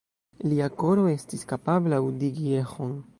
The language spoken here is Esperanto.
Lia koro estis kapabla aŭdigi eĥon.